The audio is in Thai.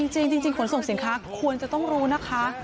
จริงขนส่งสินค้าควรจะต้องรู้นะคะ